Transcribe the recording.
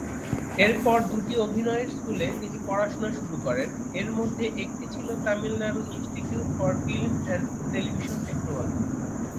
এরপর দুটি অভিনয়ের স্কুলে তিনি পড়াশোনা শুরু করেন, এর মধ্যে একটি ছিলো Tamil Nadu institute for film and television technology.